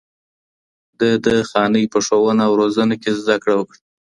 ده د خانۍ په ښوونه او روزنه کې زده کړه وکړه